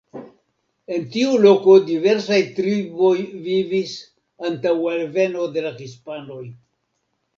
En tiu loko diversaj triboj vivis antaŭ alveno de la hispanoj.